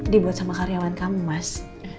dibuat sama karyawan kamu mas